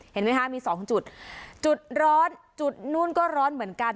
เห็นไหมคะมีสองจุดจุดร้อนจุดนู่นก็ร้อนเหมือนกัน